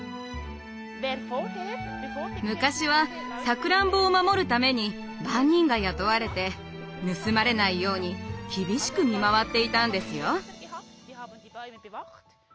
昔はさくらんぼを守るために番人が雇われて盗まれないように厳しく見回っていたんですよ。